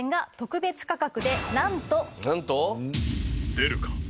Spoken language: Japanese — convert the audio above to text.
出るか？